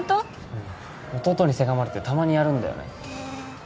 うん弟にせがまれてたまにやるんだよね